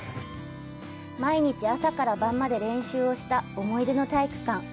毎日、朝から晩まで練習をした思い出の体育館。